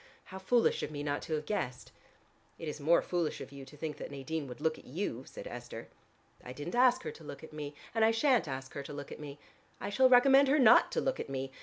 How foolish of me not to have guessed." "It is more foolish of you to think that Nadine would look at you," said Esther. "I didn't ask her to look at me, and I shan't ask her to look at me. I shall recommend her not to look at me.